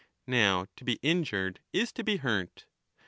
Now to be injured is to be hurt.